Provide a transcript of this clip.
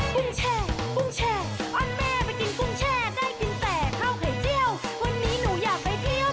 กุ้งแช่กุ้งแช่อนแม่ไปกินกุ้งแช่ได้กินแต่ข้าวไข่เจียววันนี้หนูอยากไปเที่ยว